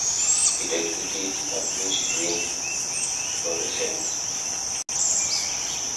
It exhibits a bluish-green fluorescence.